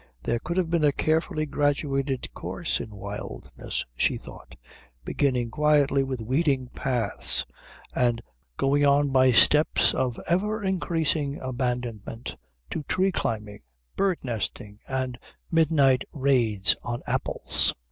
There could have been a carefully graduated course in wildness, she thought, beginning quietly with weeding paths, and going on by steps of ever increasing abandonment to tree climbing, bird nesting, and midnight raids on apples.